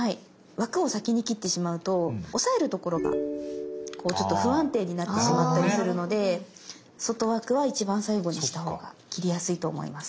枠を先に切ってしまうと押さえる所が不安定になってしまったりするので外枠は一番最後にしたほうが切りやすいと思います。